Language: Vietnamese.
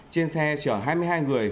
trên xe chở hai mươi hai người